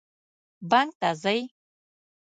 بانک ته ځئ؟